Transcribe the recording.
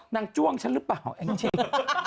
นางจ้วงฉันรึเปล่าแอ้งเชฟ